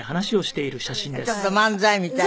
ちょっと漫才みたいな。